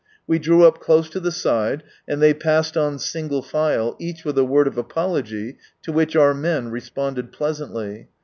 We drew up close to the side, and they passed on single file, each with a word of apology, to which our men re sponded pleasantly.